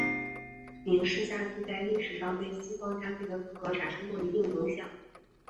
明式家具在历史上对西方家具的风格产生过一定影响。